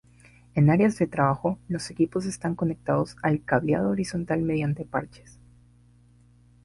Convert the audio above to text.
En áreas de trabajo, los equipos están conectados al cableado horizontal mediante parches.